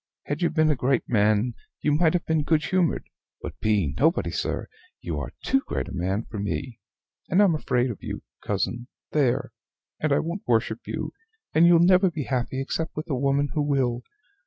Had you been a great man, you might have been good humored; but being nobody, sir, you are too great a man for me; and I'm afraid of you, cousin there! and I won't worship you, and you'll never be happy except with a woman who will.